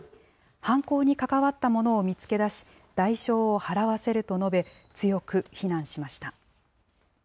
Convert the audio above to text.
犯行に関わった者を見つけ出し、代償を払わせると述べ、強く非難しました。